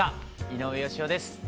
井上芳雄です。